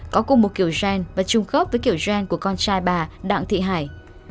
có cùng một kiểu gen và chung cấp với kiểu gen của con trai bà đạng thị hải